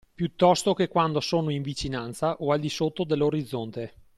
Piuttosto che quando sono in vicinanza o al di sotto dell’orizzonte.